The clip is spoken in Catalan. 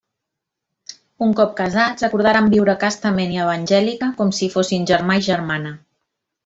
Un cop casats, acordaren viure castament i evangèlica, com si fossin germà i germana.